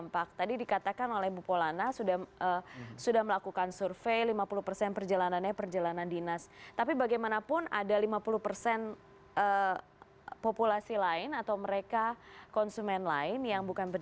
pariwisata lokal di indonesia